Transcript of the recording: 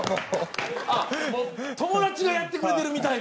あっもう友達がやってくれてるみたいな。